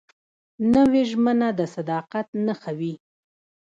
نوې ژمنه د صداقت نښه وي